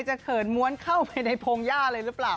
จะเขินม้วนเข้าไปในโพงญ้าหรือเปล่า